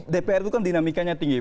dpr itu menjadikannya tinggi